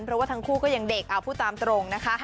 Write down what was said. เพราะว่าทั้งคู่ก็ยังเด็กเอาพูดตามตรงนะคะ